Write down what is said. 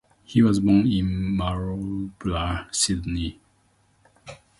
He was born in Maroubra, Sydney.